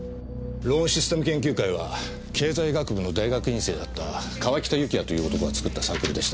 ローンシステム研究会は経済学部の大学院生だった川北幸也という男が作ったサークルでした。